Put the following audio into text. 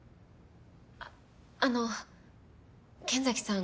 あっあの剣崎さん